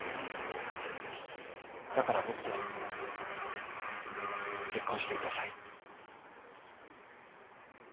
だから僕と結婚してください。